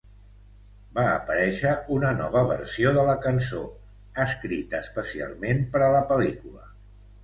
Va aparèixer una nova versió de la cançó, escrita especialment per a la pel·lícula.